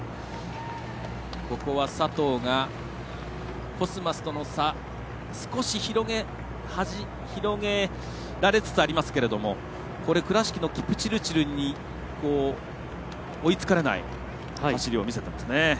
ここは佐藤がコスマスとの差少し広げられつつありますが倉敷のキプチルチルに追いつかれない走りを見せていますね。